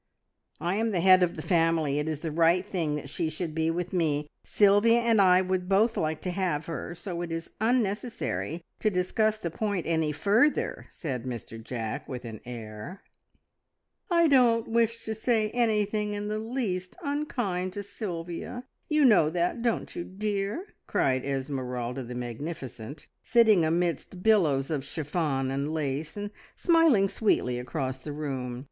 "I am the head of the family. It is the right thing that she should be with me. Sylvia and I would both like to have her, so it is unnecessary to discuss the point any further," said Mr Jack, with an air. "I don't wish to say anything in the least unkind to Sylvia you know that, don't you, dear?" cried Esmeralda the magnificent, sitting amidst billows of chiffon and lace, and smiling sweetly across the room.